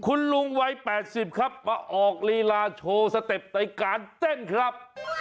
คุณลุงวัย๘๐ครับมาออกลีลาโชว์สเต็ปในการเต้นครับ